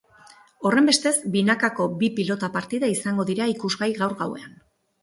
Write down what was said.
Horrenbestez, binakako bi pilota partida izango dira ikusgai gaur gauean.